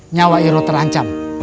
nyawa irod terancam